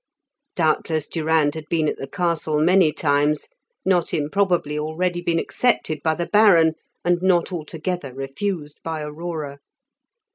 Doubtless, Durand had been at the castle many times, not improbably already been accepted by the Baron, and not altogether refused by Aurora.